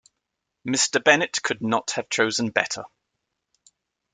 Mr. Bennet could not have chosen better.